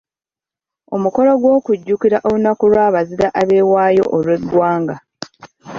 Omukolo gw’okujjukira olunaku lw’abazira abeewaayo olw’eggwanga.